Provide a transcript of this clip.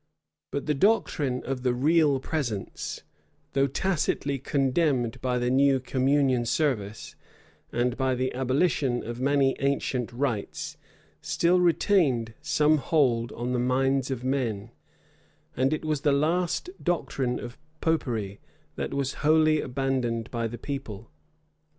But the doctrine of the real presence, though tacitly condemned by the new communion service, and by the abolition of many ancient rites, still retained some hold on the minds of men: and it was the last doctrine of Popery that was wholly abandoned by the people.